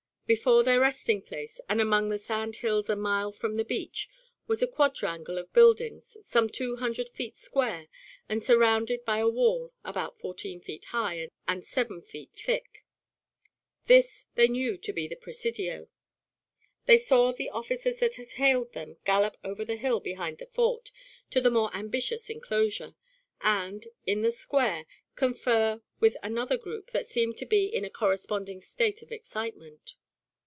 Before their resting place, and among the sand hills a mile from the beach, was a quadrangle of buildings some two hundred feet square and surrounded by a wall about fourteen feet high and seven feet thick. This they knew to be the Presidio. They saw the officers that had hailed them gallop over the hill behind the fort to the more ambitious enclosure, and, in the square, confer with another group that seemed to be in a corresponding state of excitement.